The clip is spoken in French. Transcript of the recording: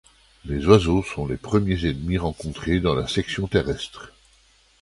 Les oiseaux sont les premiers ennemis rencontrés dans la section terrestre.